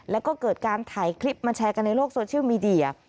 แล้วก็เกิดการถ่ายคลิปมาแชร์กันในโลกโซเชียลมีเดีย